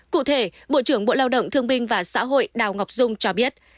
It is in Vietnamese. cụ thể bộ trưởng bộ lao động thương binh và xã hội đào ngọc dung cho biết